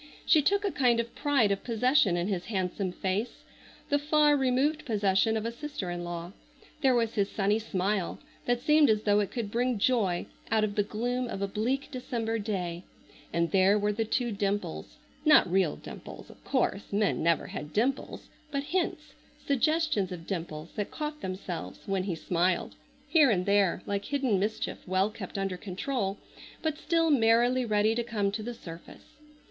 She took a kind of pride of possession in his handsome face,—the far removed possession of a sister in law. There was his sunny smile, that seemed as though it could bring joy out of the gloom of a bleak December day, and there were the two dimples—not real dimples, of course, men never had dimples—but hints, suggestions of dimples, that caught themselves when he smiled, here and there like hidden mischief well kept under control, but still merrily ready to come to the surface.